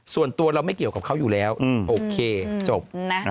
ส่วนตัวเราไม่เกี่ยวกับเขาอยู่แล้วโอเคจบ